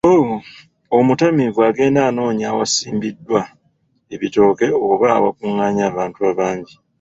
Omutamiivu agenda anoonya awasimbiddwa ebitooke oba awakunganye abantu abangi.